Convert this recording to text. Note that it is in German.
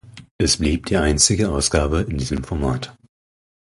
Es blieb die einzige Ausgabe in diesem Format.